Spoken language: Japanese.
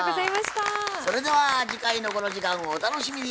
それでは次回のこの時間をお楽しみに。